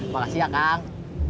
makasih ya kang